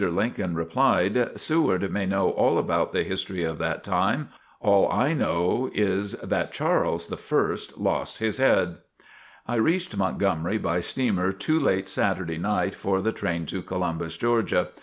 Lincoln replied: "Seward may know all about the history of that time. All I know is, that Charles I lost his head." I reached Montgomery by steamer too late Saturday night for the train to Columbus, Georgia.